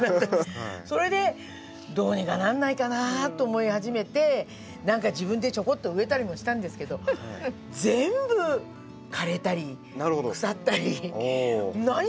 それでどうにかならないかなと思い始めて何か自分でちょこっと植えたりもしたんですけど全部枯れたり腐ったり何やっても何か。